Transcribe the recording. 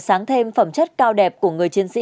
sáng thêm phẩm chất cao đẹp của người chiến sĩ